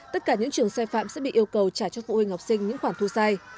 tất cả những trường xe phạm sẽ bị yêu cầu trả cho phụ huynh học sinh những khoản thu sai